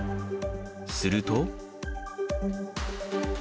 すると。